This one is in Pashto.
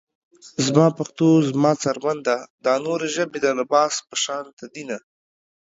زما پښتو زما څرمن ده دا نورې ژبې د لباس پشانته دينه